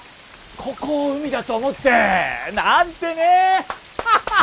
ここを海だと思ってなんてね。